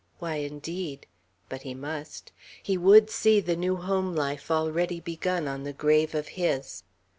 Why, indeed? But he must. He would see the new home life already begun on the grave of his.